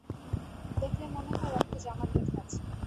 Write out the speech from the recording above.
দেখলে মনে হয় রক্ত জমাট বেধে আছে।